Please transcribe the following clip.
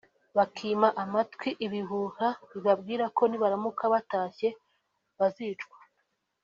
bakima amatwi ibihuha bibabwira ko nibaramuka batashye bazicwa